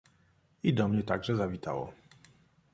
"I do mnie także zawitało."